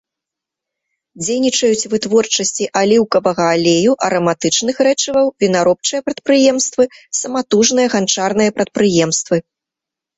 Дзейнічаюць вытворчасці аліўкавага алею, араматычных рэчываў, вінаробчыя прадпрыемствы, саматужныя ганчарныя прадпрыемствы.